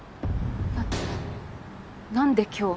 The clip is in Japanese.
な何で今日？